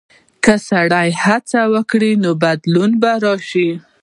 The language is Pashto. که سړی هڅه وکړي، نو بدلون به راشي.